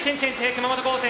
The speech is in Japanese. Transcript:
熊本高専